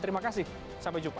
terima kasih sampai jumpa